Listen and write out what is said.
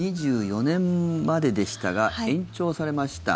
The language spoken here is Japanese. ２４年まででしたが延長されました。